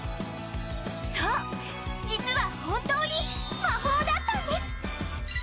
そう実は本当に魔法だったんです！